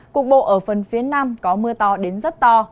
cục bộ ở phần phía nam có mưa to đến rất to